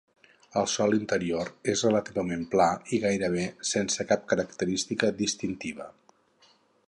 El sòl interior és relativament pla i gairebé sense cap característica distintiva.